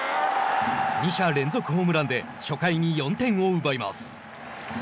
２者連続ホームランで初回に４点を奪います。